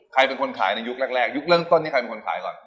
ใครเป็นคนขายในยุคแรกยุคเริ่มต้นที่ใครเป็นคนขายก่อน